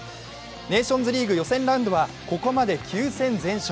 ネーションズリーグ予選ラウンドはここまで９戦全勝。